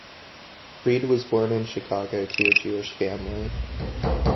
Freed was born in Chicago, to a Jewish family.